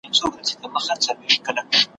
ما پخوا نارې وهلې نن ریشتیا ډوبه بېړۍ ده `